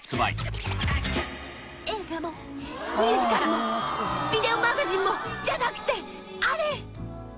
映画もミュージカルもビデオマガジンもじゃなくてあれ！